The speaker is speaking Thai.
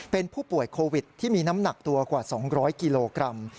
เป็นผู้ป่วยโควิดที่มีน้ำหนักตัวกว่า๒๐๐กิโลกรัม